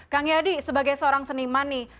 kang yadi sebagai seorang seniman nih